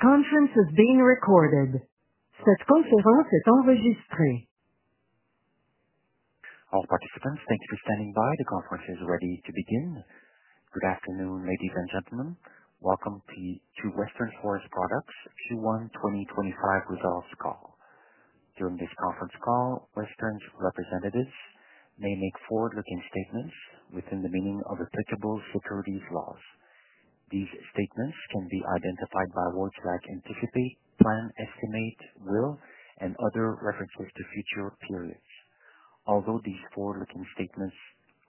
Conference is being recorded. Cette conférence est enregistrée. Our participants, thank you for standing by. The conference is ready to begin. Good afternoon, ladies and gentlemen. Welcome to Western Forest Products Q1 2025 results call. During this conference call, Western's representatives may make forward-looking statements within the meaning of applicable securities laws. These statements can be identified by words like anticipate, plan, estimate, will, and other references to future periods. Although these forward-looking statements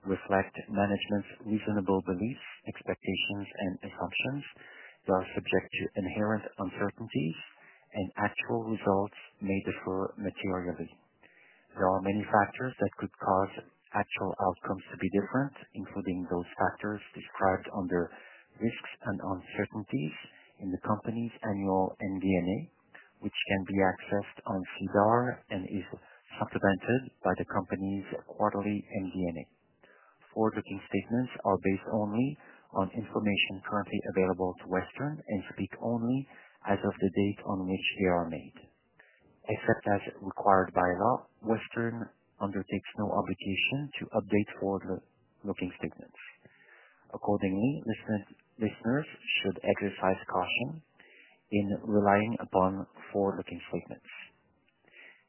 reflect management's reasonable beliefs, expectations, and assumptions, they are subject to inherent uncertainties, and actual results may differ materially. There are many factors that could cause actual outcomes to be different, including those factors described under risks and uncertainties in the company's annual MD&A, which can be accessed on SEDAR and is supplemented by the company's quarterly MD&A. Forward-looking statements are based only on information currently available to Western and speak only as of the date on which they are made. Except as required by law, Western undertakes no obligation to update forward-looking statements. Accordingly, listeners should exercise caution in relying upon forward-looking statements.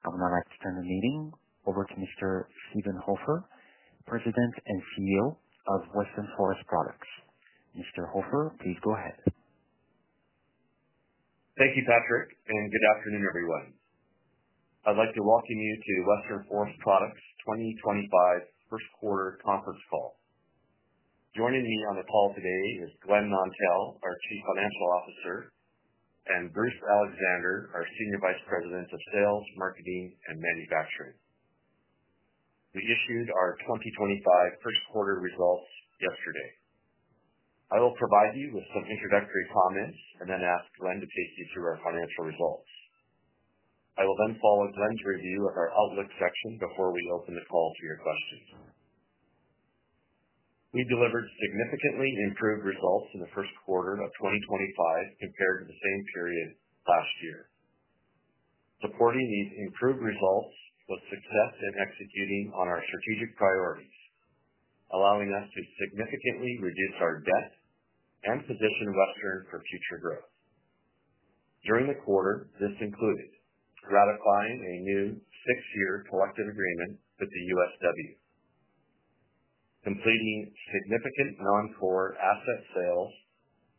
I would now like to turn the meeting over to Mr. Steven Hofer, President and CEO of Western Forest Products. Mr. Hofer, please go ahead. Thank you, Patrick, and good afternoon, everyone. I'd like to welcome you to Western Forest Products' 2025 first-quarter conference call. Joining me on the call today is Glen Nontell, our Chief Financial Officer, and Bruce Alexander, our Senior Vice President of Sales, Marketing, and Manufacturing. We issued our 2025 first-quarter results yesterday. I will provide you with some introductory comments and then ask Glen to take you through our financial results. I will then follow Glen's review with our outlook section before we open the call to your questions. We delivered significantly improved results in the first quarter of 2025 compared to the same period last year. Supporting these improved results was success in executing on our strategic priorities, allowing us to significantly reduce our debt and position Western for future growth. During the quarter, this included ratifying a new six-year collective agreement with the USW, completing significant non-core asset sales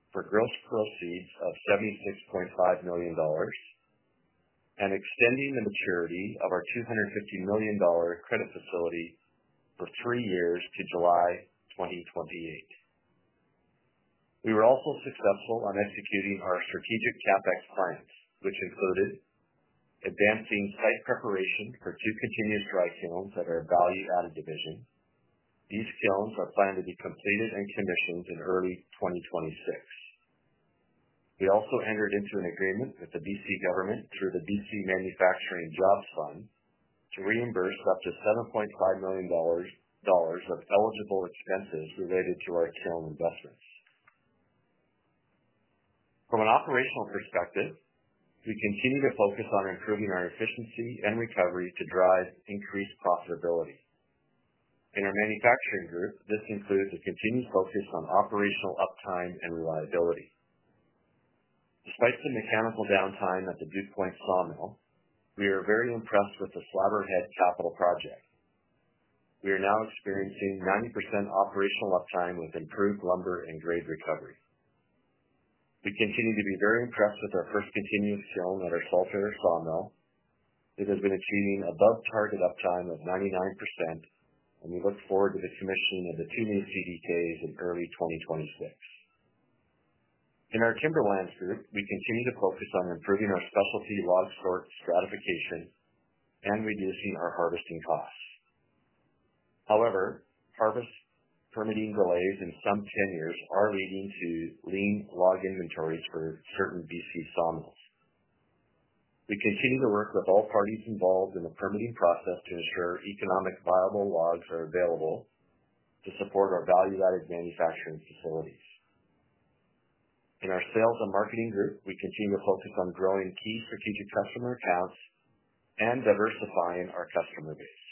for gross proceeds of 76.5 million dollars, and extending the maturity of our 250 million dollar credit facility for three years to July 2028. We were also successful in executing our strategic CapEx plans, which included advancing site preparation for two continuous dry kilns at our value-added division. These kilns are planned to be completed and commissioned in early 2026. We also entered into an agreement with the BC government through the BC Manufacturing Jobs Fund to reimburse up to 7.5 million dollars of eligible expenses related to our kiln investments. From an operational perspective, we continue to focus on improving our efficiency and recovery to drive increased profitability. In our manufacturing group, this includes a continued focus on operational uptime and reliability. Despite some mechanical downtime at the Duke Point sawmill, we are very impressed with the Slabberhead Capital project. We are now experiencing 90% operational uptime with improved lumber and grade recovery. We continue to be very impressed with our first continuous kiln at our Saltair sawmill. It has been achieving above-target uptime of 99%, and we look forward to the commissioning of the two new CDKs in early 2026. In our timberlands group, we continue to focus on improving our specialty log sort stratification and reducing our harvesting costs. However, harvest permitting delays in some tenures are leading to lean log inventories for certain BC sawmills. We continue to work with all parties involved in the permitting process to ensure economic viable logs are available to support our value-added manufacturing facilities. In our sales and marketing group, we continue to focus on growing key strategic customer accounts and diversifying our customer base.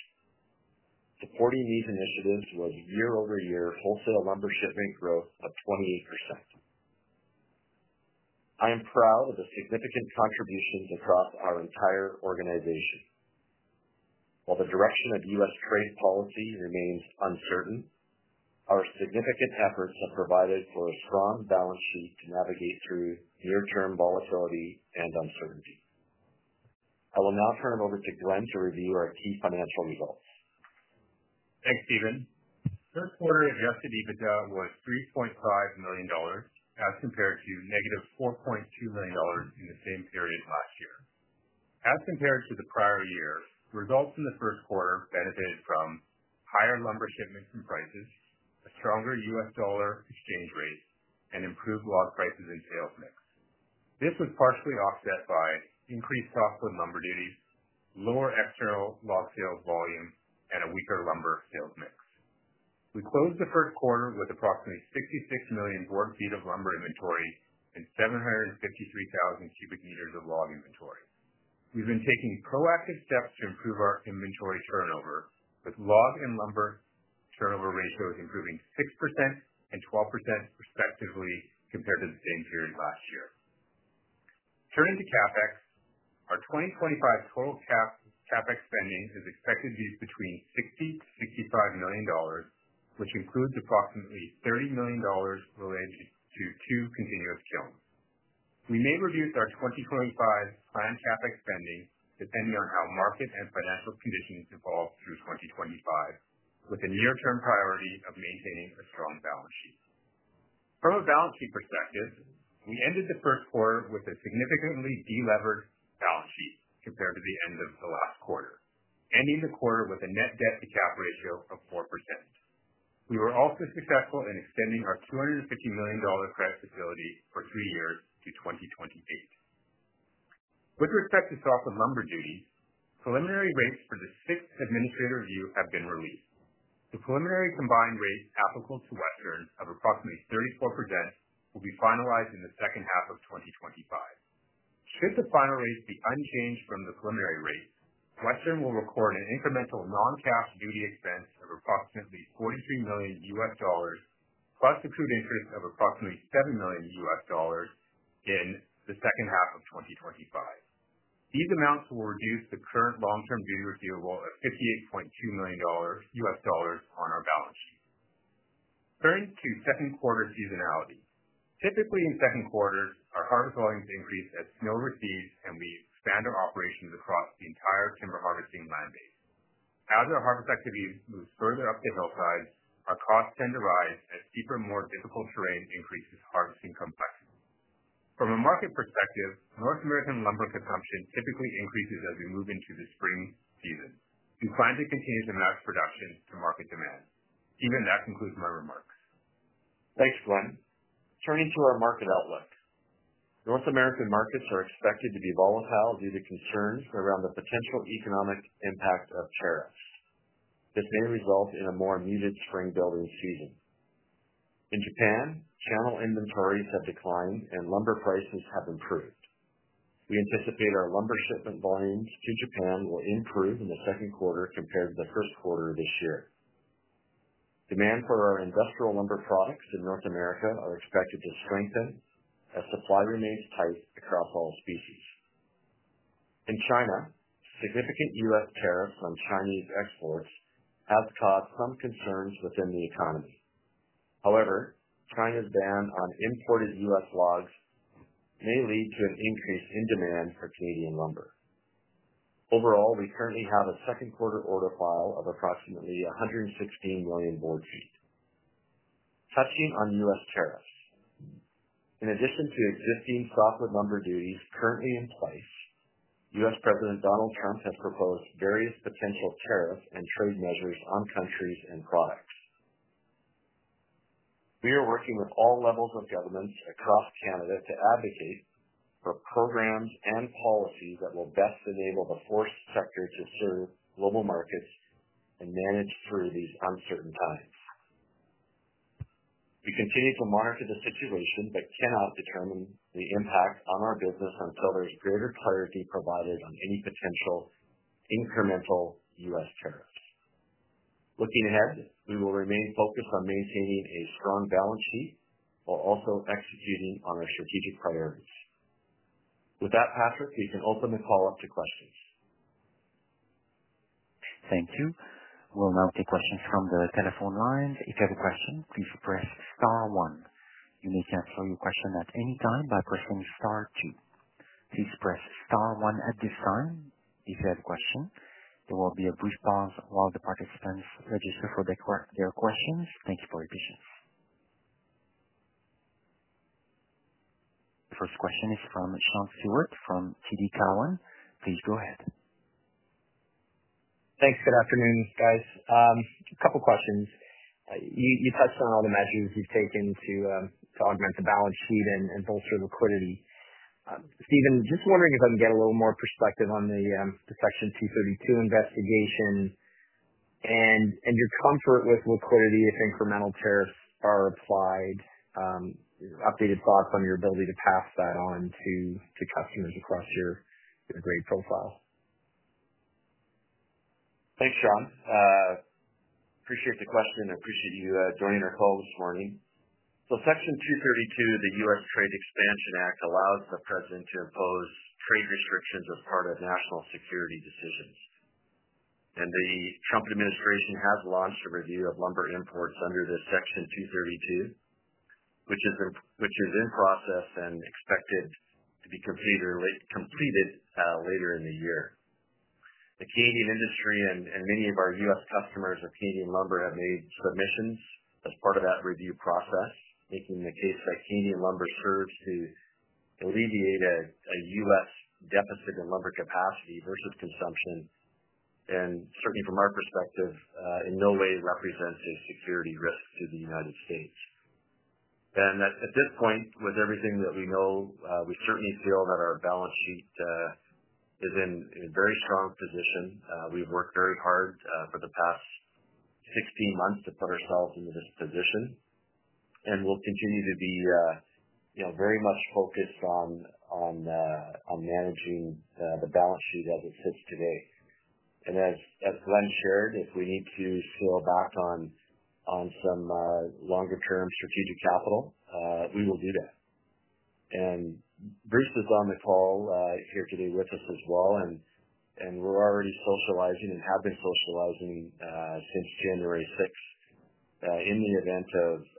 Supporting these initiatives was year-over-year wholesale lumber shipment growth of 28%. I am proud of the significant contributions across our entire organization. While the direction of U.S. trade policy remains uncertain, our significant efforts have provided for a strong balance sheet to navigate through near-term volatility and uncertainty. I will now turn it over to Glen to review our key financial results. Thanks, Steven. First-quarter adjusted EBITDA was 3.5 million dollars as compared to -4.2 million dollars in the same period last year. As compared to the prior year, results in the first quarter benefited from higher lumber shipments and prices, a stronger U.S. dollar exchange rate, and improved log prices and sales mix. This was partially offset by increased softwood lumber duties, lower external log sales volume, and a weaker lumber sales mix. We closed the first quarter with approximately 66 million bd ft of lumber inventory and 753,000 cubic meters of log inventory. We've been taking proactive steps to improve our inventory turnover, with log and lumber turnover ratios improving 6% and 12% respectively compared to the same period last year. Turning to CapEx, our 2025 total CapEx spending is expected to be between 60 million-65 million dollars, which includes approximately 30 million dollars related to two continuous kilns. We may reduce our 2025 planned CapEx spending depending on how market and financial conditions evolve through 2025, with a near-term priority of maintaining a strong balance sheet. From a balance sheet perspective, we ended the first quarter with a significantly deleveraged balance sheet compared to the end of the last quarter, ending the quarter with a net debt-to-cap ratio of 4%. We were also successful in extending our 250 million dollar credit facility for three years to 2028. With respect to softwood lumber duties, preliminary rates for the sixth administrative review have been released. The preliminary combined rate applicable to Western of approximately 34% will be finalized in the second half of 2025. Should the final rate be unchanged from the preliminary rate, Western will record an incremental non-cash duty expense of approximately $43 million, plus accrued interest of approximately $7 million in the second half of 2025. These amounts will reduce the current long-term duty receivable of $58.2 million on our balance sheet. Turning to second-quarter seasonality, typically in second quarters, our harvest volumes increase as snow recedes and we expand our operations across the entire timber harvesting land base. As our harvest activities move further up the hillside, our costs tend to rise as steeper, more difficult terrain increases harvesting complexity. From a market perspective, North American lumber consumption typically increases as we move into the spring season. We plan to continue to match production to market demand. Steven, that concludes my remarks. Thanks, Glen. Turning to our market outlook, North American markets are expected to be volatile due to concerns around the potential economic impact of tariffs. This may result in a more muted spring building season. In Japan, channel inventories have declined and lumber prices have improved. We anticipate our lumber shipment volumes to Japan will improve in the second quarter compared to the first quarter of this year. Demand for our industrial lumber products in North America is expected to strengthen as supply remains tight across all species. In China, significant U.S. tariffs on Chinese exports have caused some concerns within the economy. However, China's ban on imported U.S. logs may lead to an increase in demand for Canadian lumber. Overall, we currently have a second-quarter order file of approximately 116 million bd ft. Touching on U.S. tariffs, in addition to existing softwood lumber duties currently in place, U.S. President Donald Trump has proposed various potential tariff and trade measures on countries and products. We are working with all levels of governments across Canada to advocate for programs and policies that will best enable the forest sector to serve global markets and manage through these uncertain times. We continue to monitor the situation but cannot determine the impact on our business until there is greater clarity provided on any potential incremental U.S. tariffs. Looking ahead, we will remain focused on maintaining a strong balance sheet while also executing on our strategic priorities. With that, Patrick, we can open the call up to questions. Thank you. We'll now take questions from the telephone lines. If you have a question, please press star one. You may answer your question at any time by pressing star two. Please press star one at this time. If you have a question, there will be a brief pause while the participants register for their questions. Thank you for your patience. The first question is from Sean Steuart from TD Cowen. Please go ahead. Thanks. Good afternoon, guys. A couple of questions. You touched on all the measures you've taken to augment the balance sheet and bolster liquidity. Steven, just wondering if I can get a little more perspective on the Section 232 investigation and your comfort with liquidity if incremental tariffs are applied. Updated thoughts on your ability to pass that on to customers across your grade profile. Thanks, Sean. Appreciate the question. I appreciate you joining our call this morning. Section 232 of the U.S. Trade Expansion Act allows the President to impose trade restrictions as part of national security decisions. The Trump administration has launched a review of lumber imports under Section 232, which is in process and expected to be completed later in the year. The Canadian industry and many of our U.S. customers of Canadian lumber have made submissions as part of that review process, making the case that Canadian lumber serves to alleviate a U.S. deficit in lumber capacity versus consumption, and certainly from our perspective, in no way represents a security risk to the United States. At this point, with everything that we know, we certainly feel that our balance sheet is in a very strong position. We've worked very hard for the past 16 months to put ourselves into this position. We'll continue to be very much focused on managing the balance sheet as it sits today. As Glen shared, if we need to scale back on some longer-term strategic capital, we will do that. Bruce is on the call here today with us as well. We're already socializing and have been socializing since January 6 in the event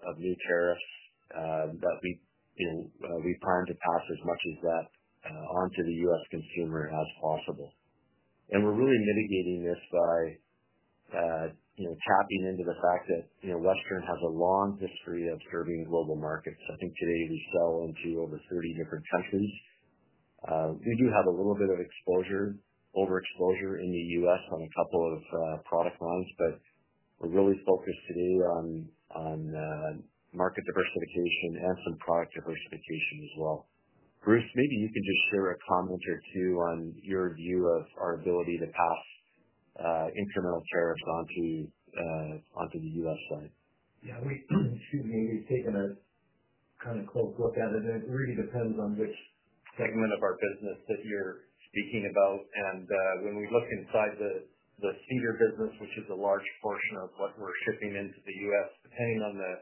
of new tariffs that we plan to pass as much of that onto the U.S. consumer as possible. We're really mitigating this by tapping into the fact that Western has a long history of serving global markets. I think today we sell into over 30 different countries. We do have a little bit of overexposure in the U.S. On a couple of product lines, but we're really focused today on market diversification and some product diversification as well. Bruce, maybe you can just share a comment or two on your view of our ability to pass incremental tariffs onto the U.S. side. Yeah. Excuse me. We've taken a kind of close look at it. It really depends on which segment of our business that you're speaking about. When we look inside the cedar business, which is a large portion of what we're shipping into the U.S., depending on the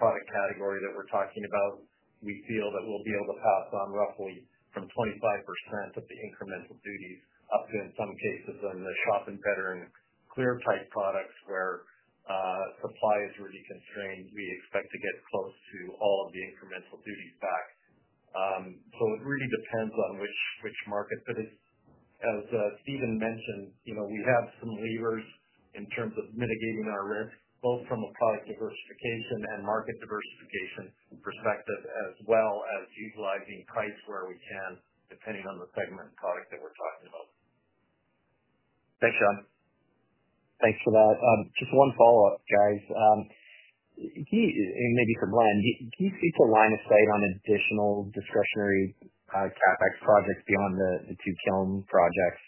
product category that we're talking about, we feel that we'll be able to pass on roughly from 25% of the incremental duties up to, in some cases, on the shop and vertical clear type products where supply is really constrained, we expect to get close to all of the incremental duties back. It really depends on which market. As Steven mentioned, we have some levers in terms of mitigating our risk, both from a product diversification and market diversification perspective, as well as utilizing price where we can, depending on the segment and product that we're talking about. Thanks, Sean. Thanks for that. Just one follow-up, guys. And maybe for Glen, can you speak to line of sight on additional discretionary CapEx projects beyond the two kiln projects?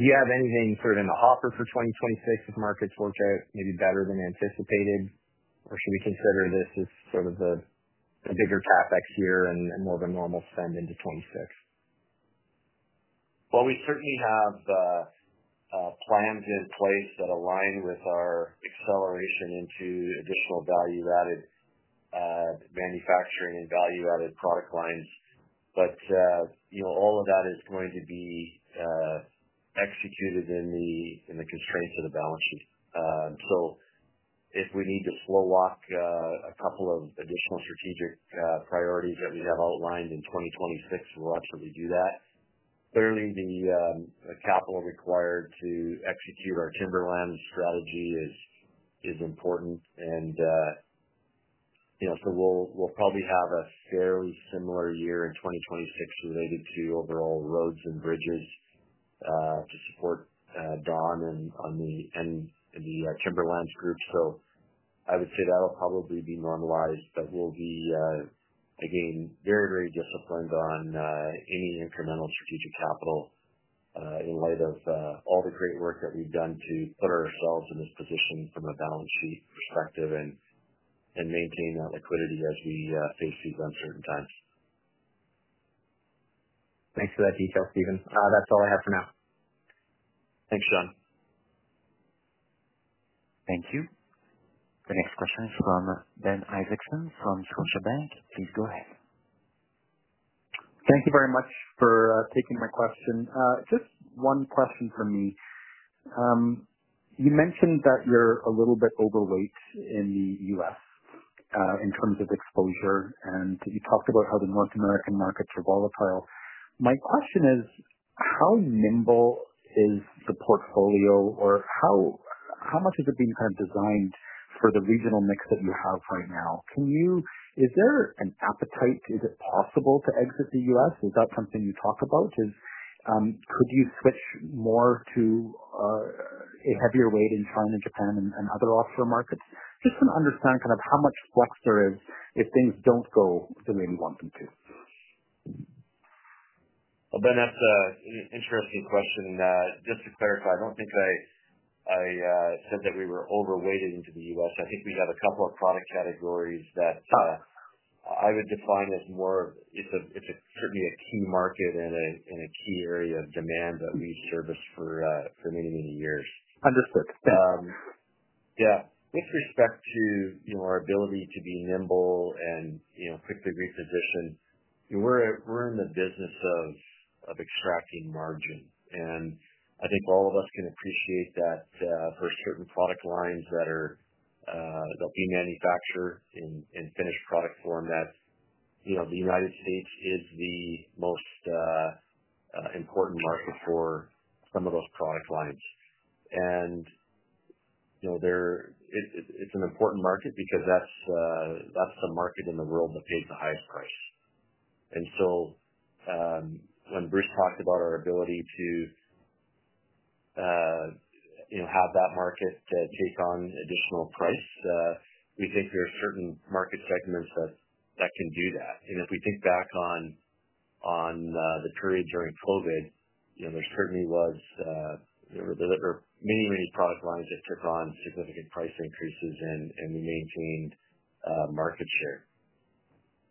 Do you have anything sort of in the hopper for 2026 if markets work out maybe better than anticipated? Or should we consider this as sort of a bigger CapEx year and more of a normal spend into 2026? We certainly have plans in place that align with our acceleration into additional value-added manufacturing and value-added product lines. All of that is going to be executed in the constraints of the balance sheet. If we need to slow walk a couple of additional strategic priorities that we have outlined in 2026, we'll absolutely do that. Clearly, the capital required to execute our timberland strategy is important. We will probably have a fairly similar year in 2026 related to overall roads and bridges to support Don and the timberlands group. I would say that'll probably be normalized. We will be, again, very, very disciplined on any incremental strategic capital in light of all the great work that we've done to put ourselves in this position from a balance sheet perspective and maintain that liquidity as we face these uncertain times. Thanks for that detail, Steven. That's all I have for now. Thanks, Sean. Thank you. The next question is from Ben Isaacson from Scotiabank. Please go ahead. Thank you very much for taking my question. Just one question from me. You mentioned that you're a little bit overweight in the U.S. in terms of exposure, and you talked about how the North American markets are volatile. My question is, how nimble is the portfolio, or how much has it been kind of designed for the regional mix that you have right now? Is there an appetite? Is it possible to exit the U.S.? Is that something you talk about? Could you switch more to a heavier weight in China, Japan, and other offshore markets? Just to understand kind of how much flex there is if things don't go the way we want them to. Ben, that's an interesting question. Just to clarify, I don't think I said that we were overweighted into the U.S. I think we got a couple of product categories that I would define as more of it's certainly a key market and a key area of demand that we've serviced for many, many years. Understood. Yeah. With respect to our ability to be nimble and quickly reposition, we're in the business of extracting margin. I think all of us can appreciate that for certain product lines that'll be manufactured in finished product format, the United States is the most important market for some of those product lines. It's an important market because that's the market in the world that pays the highest price. When Bruce talked about our ability to have that market take on additional price, we think there are certain market segments that can do that. If we think back on the period during COVID, there certainly were many, many product lines that took on significant price increases and we maintained market share.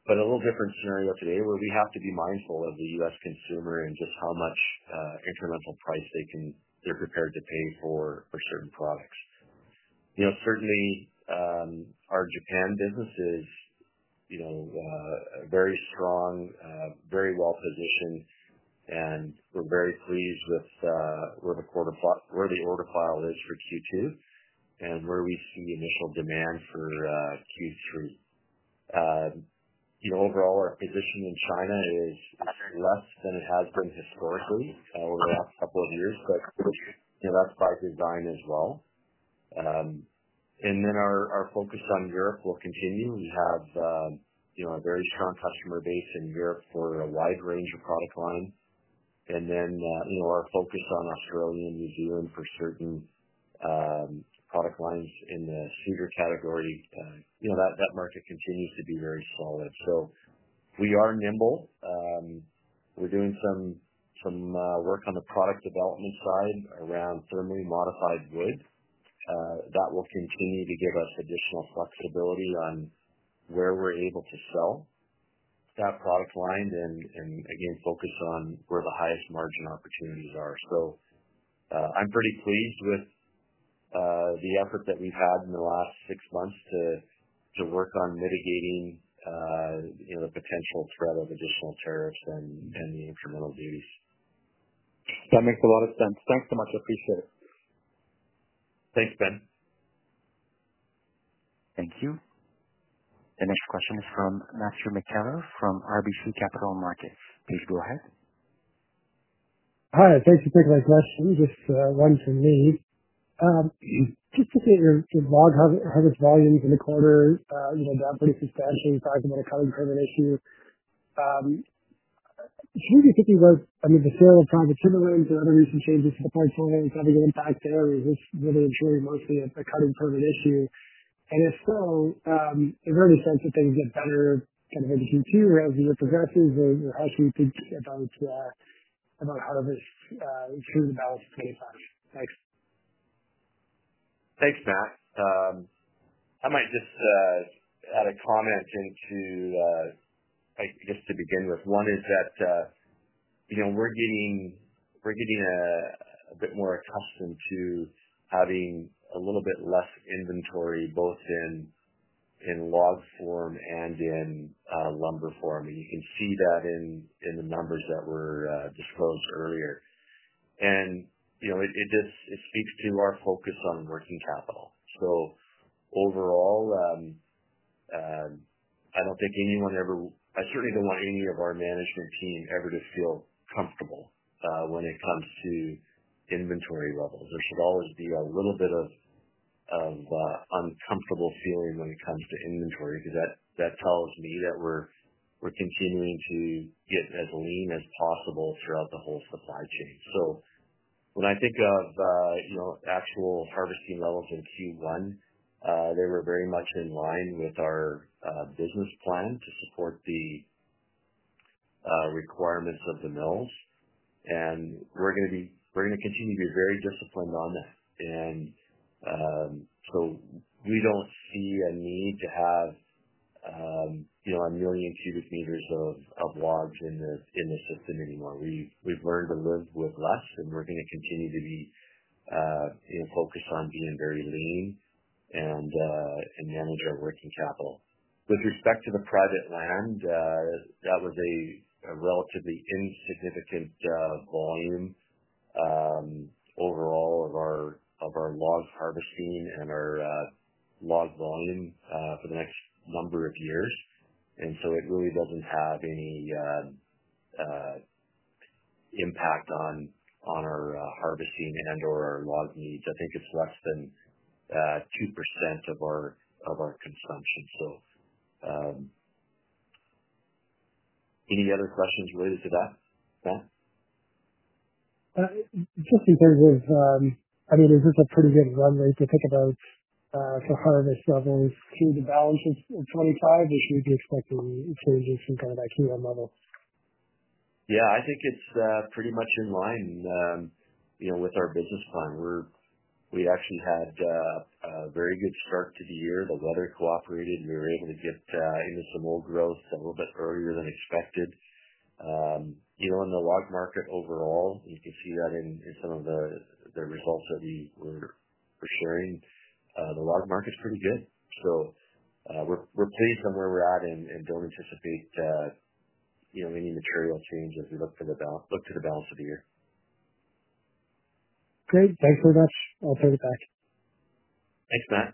It's a little different scenario today where we have to be mindful of the U.S. consumer and just how much incremental price they're prepared to pay for certain products. Certainly, our Japan business is very strong, very well-positioned, and we're very pleased with where the order file is for Q2 and where we see initial demand for Q3. Overall, our position in China is less than it has been historically over the last couple of years, but that's by design as well. Our focus on Europe will continue. We have a very strong customer base in Europe for a wide range of product lines. Our focus on Australia and New Zealand for certain product lines in the cedar category, that market continues to be very solid. We are nimble. We're doing some work on the product development side around thermally modified wood. That will continue to give us additional flexibility on where we're able to sell that product line and, again, focus on where the highest margin opportunities are. I'm pretty pleased with the effort that we've had in the last six months to work on mitigating the potential threat of additional tariffs and the incremental duties. That makes a lot of sense. Thanks so much. I appreciate it. Thanks, Ben. Thank you. The next question is from Matthew McKellar from RBC Capital Markets. Please go ahead. Hi. Thanks for taking my question. Just one from me. Just looking at your log harvest volumes in the quarter, down pretty substantially. You're talking about a cutting-permit issue. Can you be thinking about, I mean, the sale of private timberlands and other recent changes to the portfolio as having an impact there, or is this really and truly mostly a cutting-permit issue? If so, is there any sense that things get better kind of into Q2 as the year progresses, or how should we think about harvest through the balance of 2025? Thanks. Thanks, Matt. I might just add a comment in, I guess, to begin with. One is that we're getting a bit more accustomed to having a little bit less inventory, both in log form and in lumber form. You can see that in the numbers that were disclosed earlier. It speaks to our focus on working capital. Overall, I do not think anyone ever—I certainly do not want any of our management team ever to feel comfortable when it comes to inventory levels. There should always be a little bit of uncomfortable feeling when it comes to inventory because that tells me that we're continuing to get as lean as possible throughout the whole supply chain. When I think of actual harvesting levels in Q1, they were very much in line with our business plan to support the requirements of the mills. We're going to continue to be very disciplined on that. We do not see a need to have a million cubic meters of logs in the system anymore. We've learned to live with less, and we're going to continue to be focused on being very lean and manage our working capital. With respect to the private land, that was a relatively insignificant volume overall of our log harvesting and our log volume for the next number of years. It really does not have any impact on our harvesting and/or our log needs. I think it's less than 2% of our consumption. Any other questions related to that, Matt? Just in terms of, I mean, is this a pretty good run rate to think about for harvest levels through the balance of 2025, or should we be expecting changes from kind of that key level? Yeah. I think it's pretty much in line with our business plan. We actually had a very good start to the year. The weather cooperated. We were able to get into some old growth a little bit earlier than expected. In the log market overall, you can see that in some of the results that we were sharing. The log market's pretty good. So we're pleased on where we're at and don't anticipate any material change as we look to the balance of the year. Great. Thanks very much. I'll turn it back. Thanks, Matt.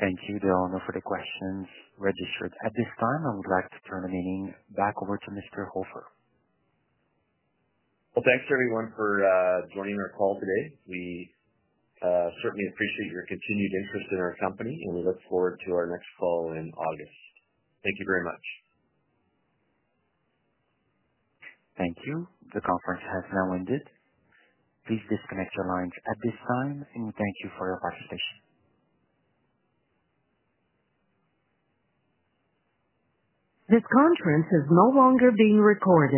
Thank you. There are no further questions registered at this time. I would like to turn the meeting back over to Mr. Hofer. Thanks everyone for joining our call today. We certainly appreciate your continued interest in our company, and we look forward to our next call in August. Thank you very much. Thank you. The conference has now ended. Please disconnect your lines at this time, and thank you for your participation. This conference is no longer being recorded.